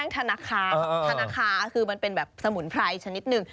ธนาคาคือมันเป็นแบบสมุนไพรชนิดหนึ่ง